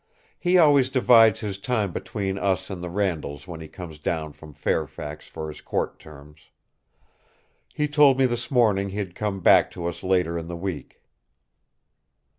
"He always divides his time between us and the Randalls when he comes down from Fairfax for his court terms. He told me this morning he'd come back to us later in the week."